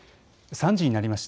３時になりました。